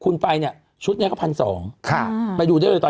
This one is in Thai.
คุณไปเนี่ยชุดเนี่ยก็๑๒๐๐ค่าแม่อยู่ได้จนถ้า๑๒๐๐